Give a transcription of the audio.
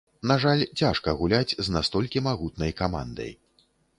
На жаль, цяжка гуляць з настолькі магутнай камандай.